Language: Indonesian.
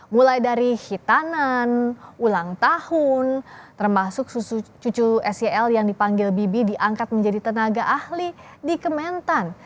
mulai dari hitanan ulang tahun termasuk cucu sel yang dipanggil bibi diangkat menjadi tenaga ahli di kementan